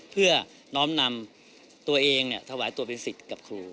เพื่อน้อมนำตัวเองถวายตัวเป็นสิทธิ์กับครู